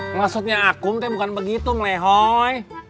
maksudnya aku bukan begitu melehoi